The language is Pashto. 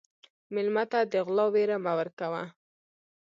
مېلمه ته د غلا وېره مه ورکوه.